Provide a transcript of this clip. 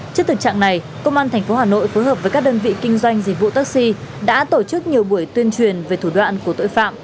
trước thực trạng này công an tp hà nội phối hợp với các đơn vị kinh doanh dịch vụ taxi đã tổ chức nhiều buổi tuyên truyền về thủ đoạn của tội phạm